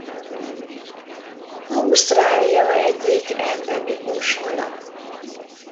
Ausztrália egyik endemikus hala.